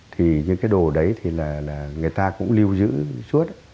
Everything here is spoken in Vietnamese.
thì những cái đồ đấy thì là người ta cũng lưu giữ suốt